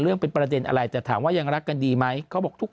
มันเป็นประเด็นอะไรแต่ถามว่ายังรักกันดีไหมเขาบอกทุก